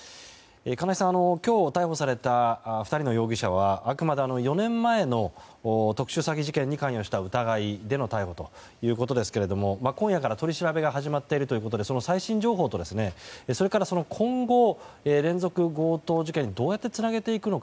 金井さん、今日逮捕された２人の容疑者はあくまで４年前の特殊詐欺事件に関与した疑いでの逮捕ということですが今夜から取り調べが始まっているということで最新情報と、それから今後連続強盗事件にどうやってつなげていくのか。